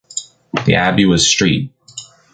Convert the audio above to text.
The abbey was St.